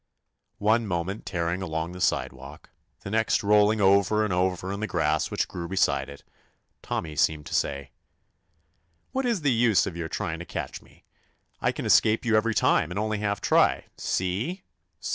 One moment tearing along the sidewalk, the next rolling over and over in the grass which grew beside it, Tommy seemed to say; What is the use of your trying to catch me? I can escape you every time and only half try. See?